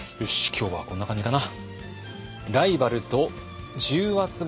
今日はこんな感じかな。